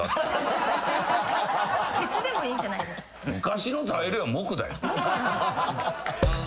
鉄でもいいんじゃないですか？